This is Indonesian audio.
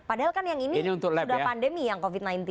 padahal kan yang ini sudah pandemi yang covid sembilan belas